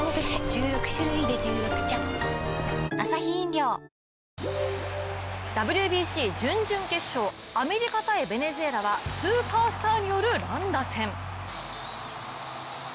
十六種類で十六茶ＷＢＣ準々決勝アメリカ×ベネズエラはスーパースターによる乱打戦。